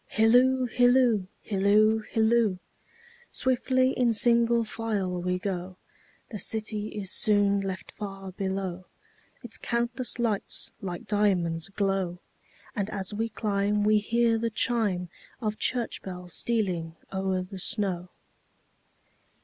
Hilloo, hilloo, hilloo, hilloo! Swiftly in single file we go, The city is soon left far below, Its countless lights like diamonds glow; And as we climb we hear the chimeOf church bells stealing o'er the snow.